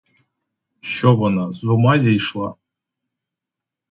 Що вона, з ума зійшла?